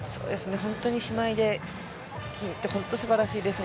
本当に姉妹で金って、本当にすばらしいですね。